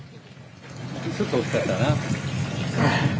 ちょっと大きかったかな。